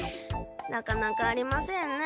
なかなかありませんね。